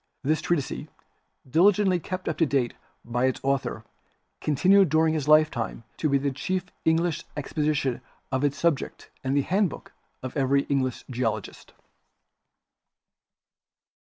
This treatise, diligently kept up to date by its author, continued during his lifetime to be the chief Eng lish exposition of its subject and the handbook of every English geologist.